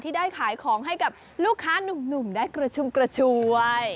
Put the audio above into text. ได้ขายของให้กับลูกค้านุ่มได้กระชุ่มกระชวย